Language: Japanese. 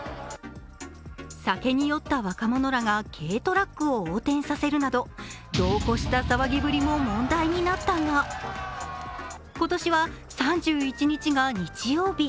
酒に酔った若者らが軽トラックを横転させるなど度を超した騒ぎぶりも問題になったが今年は３１日が日曜日。